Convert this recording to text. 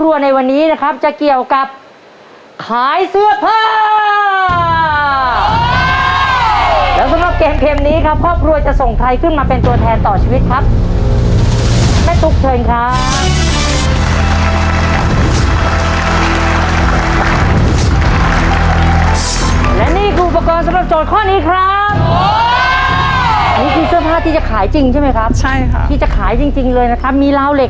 วันนี้สองคนจะแบ่งหน้าที่กันยังไงเอ๋